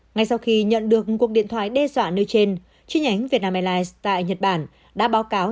ngay sau khi nhận được cuộc điện thoại đe dọa nêu trên chi nhánh vietnam airlines tại nhật bản đã báo cáo